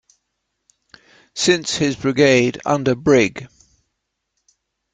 Since his brigade under Brig.